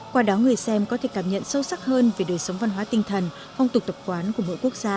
qua đó người xem có thể cảm nhận sâu sắc hơn về đời sống văn hóa tinh thần phong tục tập quán của mỗi quốc gia